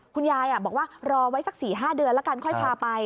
คุณยายบอกว่ารอไว้สัก๔๕เดือนแล้วกันค่อยพาไป